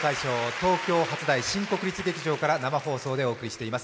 東京・初台の新国立劇場から生放送でお伝えしています。